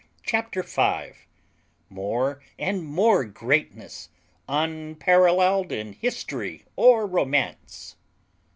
CHAPTER FIVE MORE AND MORE GREATNESS, UNPARALLELED IN HISTORY OR ROMANCE.